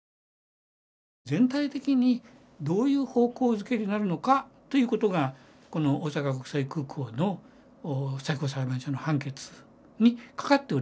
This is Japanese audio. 全体的にどういう方向付けになるのかということがこの大阪国際空港の最高裁判所の判決に懸かっておりましたからね。